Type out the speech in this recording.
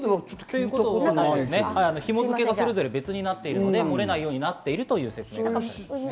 紐づけがそれぞれ別になっているので、漏れないようになっているということですからね。